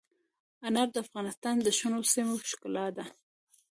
انار د افغانستان د شنو سیمو ښکلا ده.